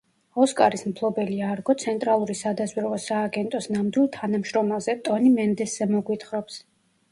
ოსკარის მფლობელი „არგო“ცენტრალური სადაზვერვო სააგენტოს ნამდვილ თანამშრომელზე, ტონი მენდესზე მოგვითხრობს.